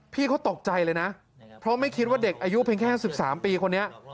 พี่เขาตกใจเลยนะเพราะไม่คิดว่าเด็กอายุเพียงแค่๑๓ปีคนนี้